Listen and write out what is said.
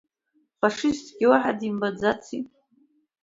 Фашисткгьы уаҳа димбаӡаци.